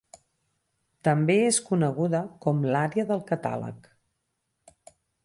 També és coneguda com l'ària del catàleg.